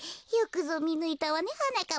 よくぞみぬいたわね